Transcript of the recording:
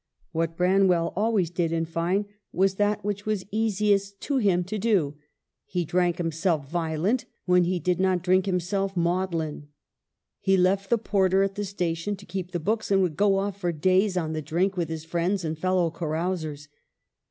What Branwell always did, in fine, was that which was easiest to him to do. He drank him self violent, when he did not drink himself maudlin. He left the porter at the station to keep the books, and would go off for days " on the drink " with his friends and fellow carousers.